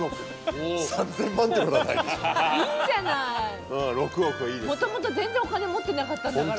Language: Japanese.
もともと全然お金持ってなかったんだから。